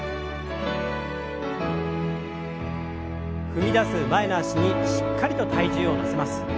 踏み出す前の脚にしっかりと体重を乗せます。